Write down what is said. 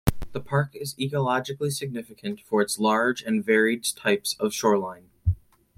The park is ecologically significant for its large and varied types of shoreline.